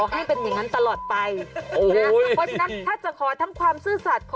ไหนบอกว่าขอแค่ความซื่อสัตว์